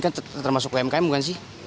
kan termasuk umkm bukan sih